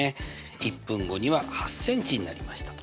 １分後には８ｃｍになりましたと。